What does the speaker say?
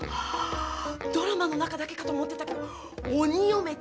ドラマの中だけかと思ってたけど鬼嫁って実在したのね。